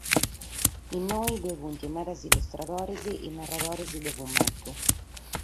Inoghe bi sunt medas illustradores e naradores de fumetu.